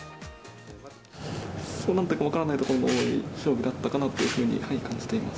なんというか分からないところも多い勝負だったかなというふうに感じています。